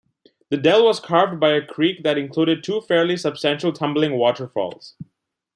The dell was carved by a creek that includes two fairly substantial tumbling waterfalls.